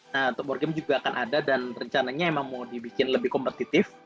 nah untuk board game juga akan ada dan rencananya emang mau dibikin lebih kompetitif